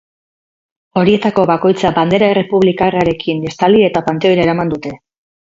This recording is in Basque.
Horietako bakoitza bandera errepublikarrarekin estali eta panteoira eraman dute.